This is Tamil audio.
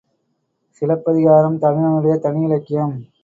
சிலப்பதிகாரம் தமிழனுடைய தனி இலக்கியம்.